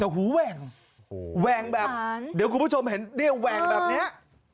แต่หูแหว่งแหว่งแบบเดี๋ยวคุณผู้ชมเห็นเนี่ยแหว่งแบบนี้